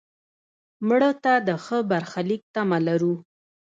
مړه ته د ښه برخلیک تمه کوو